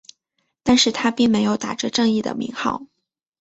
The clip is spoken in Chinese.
但是他并没有打着正义的名号。